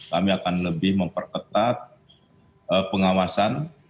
kami akan lebih memperketat pengawasan